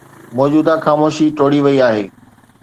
موجوده خاموشي ٽوڙي وئي آهي.